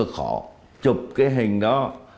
rất là khó chụp cái hình đó